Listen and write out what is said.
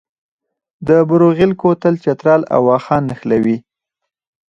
د بروغیل کوتل چترال او واخان نښلوي